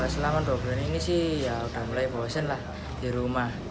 selama dua bulan ini sih ya udah mulai bosan lah di rumah